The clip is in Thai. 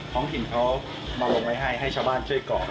ท้องถิ่นเขามาลงไว้ให้ให้ชาวบ้านเชื่อก่อเข้ามา